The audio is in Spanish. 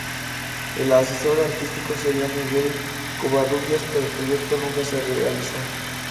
El asesor artístico sería Miguel Covarrubias, pero el proyecto nunca se realizó.